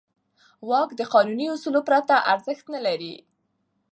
واک د قانوني اصولو پرته ارزښت نه لري.